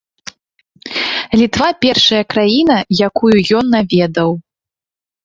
Літва першая краіна, якую ён наведаў.